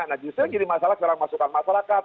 nah justru yang jadi masalah sekarang masukan masyarakat